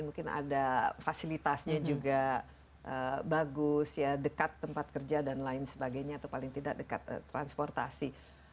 mungkin ada fasilitasnya juga bagus ya dekat tempat kerja dan lain sebagainya atau paling tidak dekat transportasi